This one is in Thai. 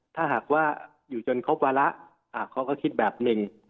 ถ้าหากว่าอยู่จนครบวาระเขาก็คิดแบบหนึ่ง